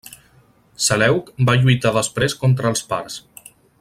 Seleuc va lluitar després contra els parts.